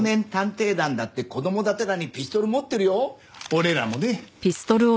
俺らもね。